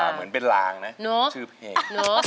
เหมือนเป็นลางนะชื่อเพลง